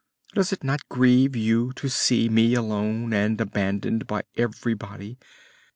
Does it not grieve you to see me alone and abandoned by everybody?